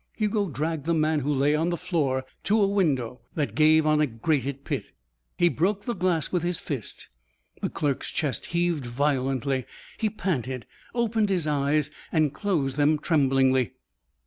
Hugo dragged the man who lay on the floor to a window that gave on a grated pit. He broke the glass with his fist. The clerk's chest heaved violently; he panted, opened his eyes, and closed them tremblingly.